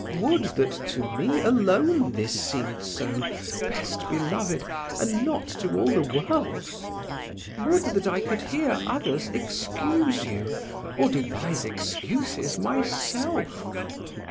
Would that to me alone this seemed so, best beloved, and not to all the world! Would that I could hear others excuse you, or devise excuses myself!